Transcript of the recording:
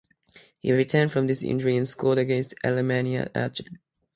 He returned from this injury and scored against Alemannia Aachen.